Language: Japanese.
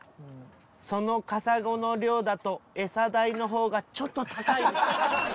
そのカサゴの量だとエサ代のほうがちょっと高い」。